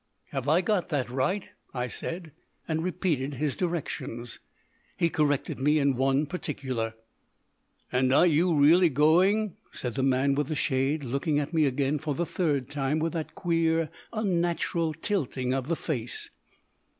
"Have I got that right?" I said, and repeated his directions. He corrected me in one particular. "And are you really going?" said the man with the shade, looking at me again for the third time, with that queer, unnatural tilting of the face.